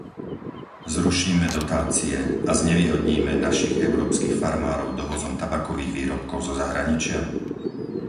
Zrušíme dotácie a znevýhodníme našich európskych farmárov dovozom tabakových výrobkov zo zahraničia?